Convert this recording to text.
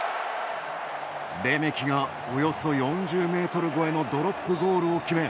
レメキが、およそ４０ｍ超えのドロップゴールを決め